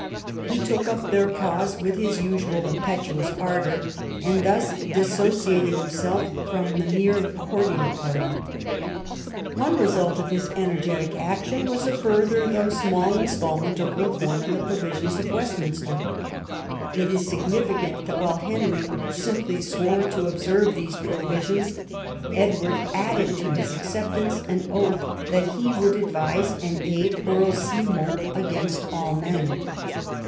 He took up their cause with his usual impetuous ardour, and thus dissociated himself from the mere courtier party. One result of his energetic action was a further though small instalment of reform in the Provisions of Westminster. It is significant that while Henry simply swore to observe these Provisions, Edward added to his acceptance an oath that he would advise and aid Earl Simon against all men.